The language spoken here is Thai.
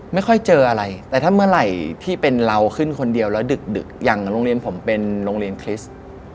ไม่ค่อยเจออะไรแต่ถ้าเมื่อไหร่ที่เป็นเราขึ้นคนเดียวแล้วดึกอย่างโรงเรียนผมเป็นโรงเรียนคริสต์